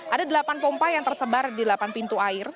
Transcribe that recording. ada delapan pompa yang tersebar di delapan pintu air